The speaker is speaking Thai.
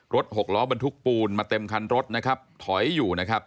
หกล้อบรรทุกปูนมาเต็มคันรถนะครับถอยอยู่นะครับ